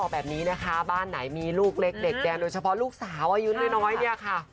แบบนี้นะคะบ้านไหนมีลูกเล็กเด็กแดงโดยเฉพาะลูกสาวอายุน้อยเนี่ยค่ะ